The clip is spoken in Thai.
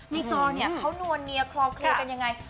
จอเนี่ยเขานวลเนียคลอเคลียร์กันยังไง